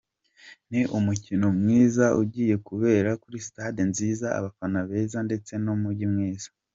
Ni umukino mwiza ugiye kubera kuri stade nziza, abafana beza, ndetse n’umugi mwiza.